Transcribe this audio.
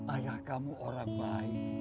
ayah kamu orang baik